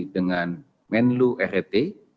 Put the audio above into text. dengan menlu ret